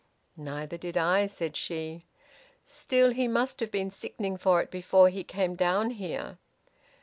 "Neither did I," said she. "Still, he must have been sickening for it before he came down here."